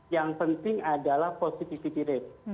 yang penting adalah positivity rate